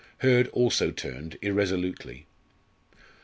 Hurd also turned irresolutely.